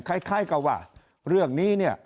คล้ายกับว่าเรื่องนี้